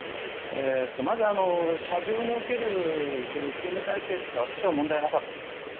まず、射場における勤務体制というのは私は問題なかったと思います。